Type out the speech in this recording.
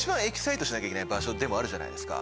しなきゃいけない場所でもあるじゃないですか。